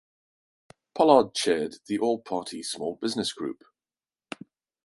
Pollard chaired the all party small business group.